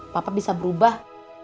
papa bisa berubah